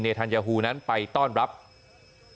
นั้นเลขต่าวประนำอิสราเอลครับที่ใช้การโจมตีทางอากาศใส่โรงพยาบาลเอาอาลี